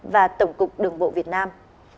và tổng cục đường bộ việt nam